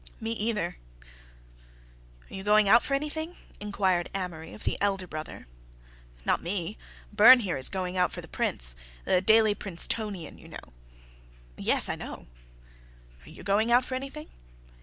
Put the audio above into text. "Me either." "You going out for anything?" inquired Amory of the elder brother. "Not me—Burne here is going out for the Prince—the Daily Princetonian, you know." "Yes, I know." "You going out for anything?"